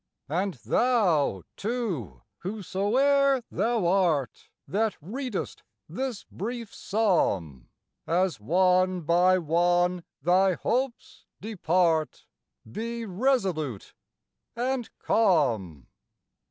And thou, too, whosoe'er thou art, That readest this brief psalm, As one by one thy hopes depart, Be resolute and calm.